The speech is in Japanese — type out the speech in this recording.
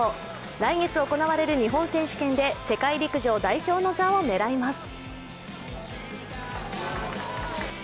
来月行われる日本選手権で世界陸上代表の座を狙います。